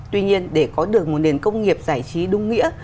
tuy nhiên để có được một nền công nghiệp giải trí đúng nghĩa